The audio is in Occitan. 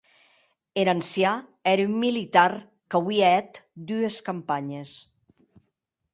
Er ancian ère un militar qu'auie hèt dues campanhes.